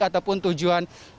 ataupun tujuan perjalanan masyarakat